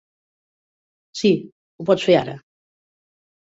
Sí, ho pots fer ara.